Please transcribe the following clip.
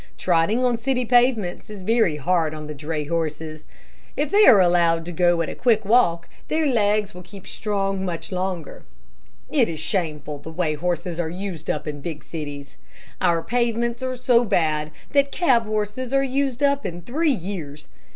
Trotting on city pavements is very hard on the dray horses. If they are allowed to go at a quick walk, their legs will keep strong much longer. It is shameful the way horses are used up in big cities. Our pavements are so bad that cab horses are used up in three years.